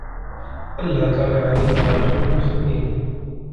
أَلَّا تَعْلُوا عَلَيَّ وَأْتُونِي مُسْلِمِينَ